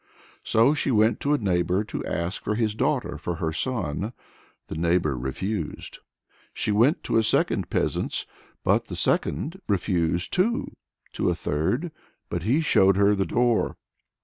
So she went to a neighbor to ask for his daughter for her son: the neighbor refused. She went to a second peasant's, but the second refused too to a third, but he showed her the door.